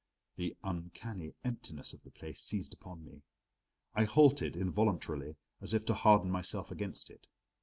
The uncanny emptiness of the place seized upon me. I halted involuntarily as if to harden myself against it.